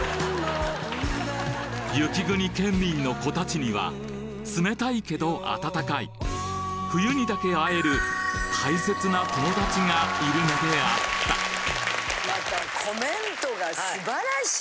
雪国県民の子たちには冷たいけど暖かい冬にだけ会える大切な友達がいるのであったまたコメントが素晴らしい。